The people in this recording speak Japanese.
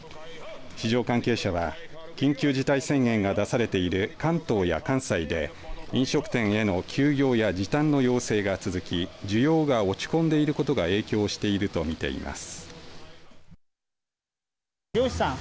市場関係者は緊急事態宣言が出されている関東や関西で飲食店への休業や時短の要請が続き需要が落ち込んでいることが影響しているとみています。